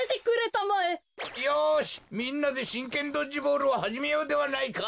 よしみんなでしんけんドッジボールをはじめようではないか！